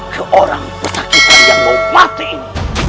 ke orang pesakitan yang mau mati ini